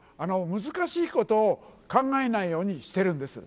難しいことを考えないようにしてるんです。